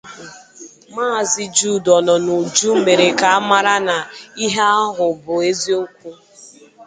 Maazị Jude Ọnọnuju mèrè ka a mara na ihe ahụ bụ eziokwu